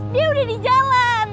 dia udah di jalan